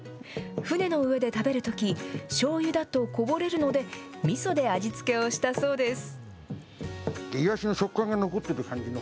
船の上で食べるとき、しょうゆだとこぼれるので、みそで味付けをしたそうです。